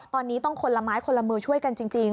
ตอนนี้ต้องคนละไม้คนละมือช่วยกันจริง